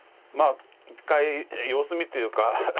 まあ一回様子見というか。